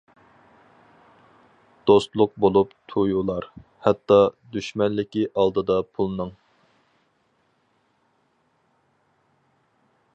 دوستلۇق بولۇپ تۇيۇلار، ھەتتا، دۈشمەنلىكى ئالدىدا پۇلنىڭ.